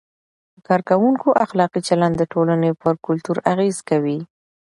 د کارکوونکو اخلاقي چلند د ټولنې پر کلتور اغیز کوي.